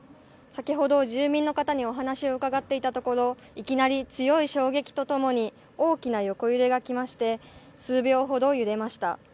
先ほど住民の方にお話を伺っていたところいきなり強い衝撃とともに大きな横揺れが来まして数秒ほど揺れました。